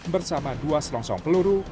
bersama dua selongsong peluru